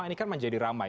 ini kan menjadi ramai